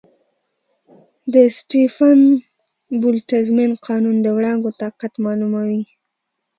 د سټیفن-بولټزمن قانون د وړانګو طاقت معلوموي.